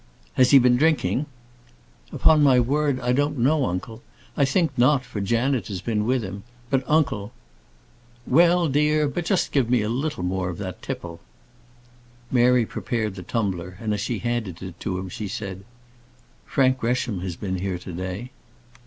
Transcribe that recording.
"Has he been drinking?" "Upon my word, I don't know, uncle. I think not, for Janet has been with him. But, uncle " "Well, dear but just give me a little more of that tipple." Mary prepared the tumbler, and, as she handed it to him, she said, "Frank Gresham has been here to day."